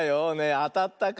あたったかな？